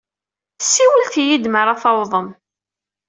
Siwlet-iyi-d mi ara tawḍem.